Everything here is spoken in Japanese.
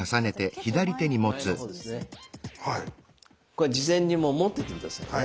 これ事前にもう持っててくださいね。